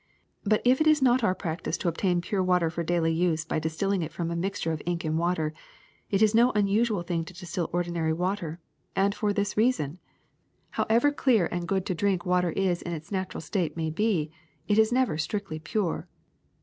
But if it is not our practice to obtain pure wa ter for daily use by distilling it from a mixture of ink and water, it is no unusual thing to distil ordi nary water, and for this reason : however clear and DISTILLATION 239 g'ood to drink water in its natural state may be, it is never strictly pure.